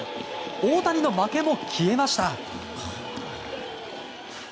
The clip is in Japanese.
大谷の負けも消えました。